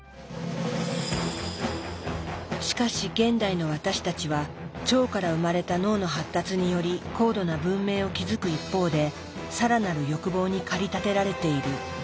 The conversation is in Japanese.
しかし現代の私たちは腸から生まれた脳の発達により高度な文明を築く一方で更なる欲望に駆り立てられている。